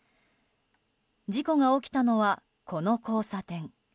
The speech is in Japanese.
事故が起きたのはこの交差点。